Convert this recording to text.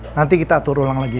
nanti kita atur ulang lagi